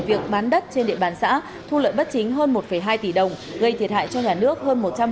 việc bán đất trên địa bàn xã thu lợi bất chính hơn một hai tỷ đồng gây thiệt hại cho nhà nước hơn